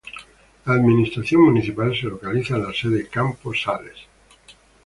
La administración municipal se localiza en la sede: Campos Sales.